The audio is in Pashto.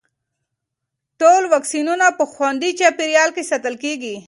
ټول واکسینونه په خوندي چاپېریال کې ساتل کېږي.